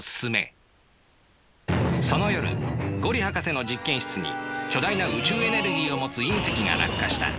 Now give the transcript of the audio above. その夜五里博士の実験室に巨大な宇宙エネルギーを持つ隕石が落下した。